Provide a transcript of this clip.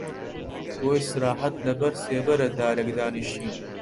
بۆ ئیستراحەت لە بەر سێبەرە دارێک دانیشتین